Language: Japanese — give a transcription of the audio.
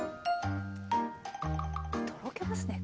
とろけますね